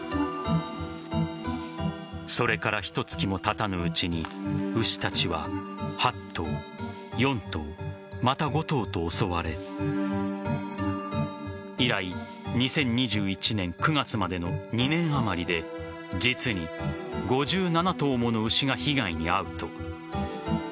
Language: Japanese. それから、ひと月もたたぬうちに牛たちは８頭、４頭また５頭と襲われ以来、２０２１年９月までの２年余りで実に５７頭もの牛が被害に遭う。